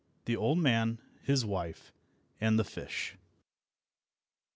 THE OLD MAN, HIS WIFE, AND THE FISH.